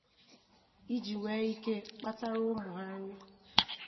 iji nwee ike kpatara ụmụ ha nri